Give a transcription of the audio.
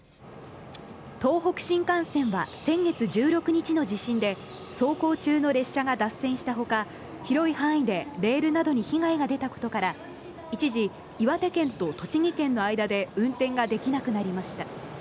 東北新幹線は先月１６日の地震で走行中の列車が脱線した他広い範囲でレールなどに被害が出たことから一時、岩手県と栃木県の間で運転ができなくなりました。